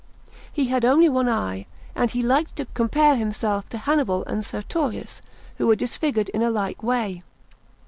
He had only one eye, and he liked to compare himself to Hann'bal and Sertorius, who were disfigured in a like way.